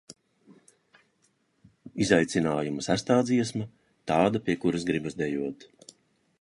Izaicinājuma sestā dziesma – tāda, pie kuras gribas dejot.